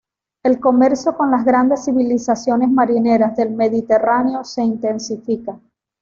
El comercio con las grandes civilizaciones marineras del Mediterráneo se intensifica.